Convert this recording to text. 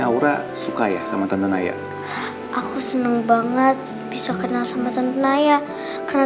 aura suka ya sama tante naya aku seneng banget bisa kenal sama tante naya karena